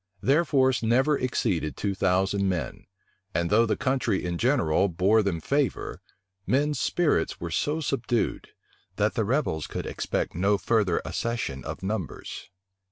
Their force never exceeded two thousand men; and though the country in general bore them favor, men's spirits were so subdued, that the rebels could expect no further accession of numbers.